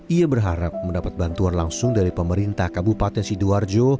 ia berharap mendapat bantuan langsung dari pemerintah kabupaten sidoarjo